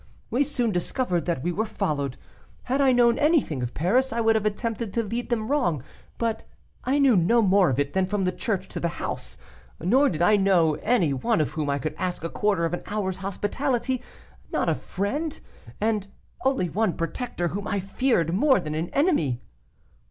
We soon discovered that we were followed. Had I known anything of Paris, I would have attempted to lead them wrong, but I knew no more of it than from the church to the house, nor did I know any one of whom I could ask a quarter of an hour's hospitality; not a friend, and only one protector, whom I feared more than an enemy."